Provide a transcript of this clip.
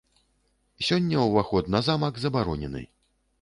Сёння ўваход на замак забаронены.